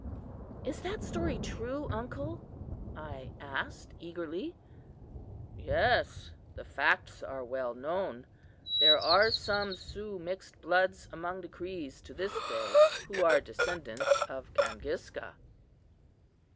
"Is that story true, uncle?" I asked eagerly. "'Yes, the facts are well known. There are some Sioux mixed bloods among the Crees to this day who are descendants of Kangiska."